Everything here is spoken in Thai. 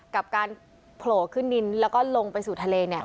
กับการโผล่ขึ้นดินลงไปสู่ทะเล